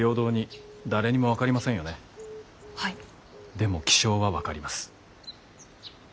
でも気象は分かります。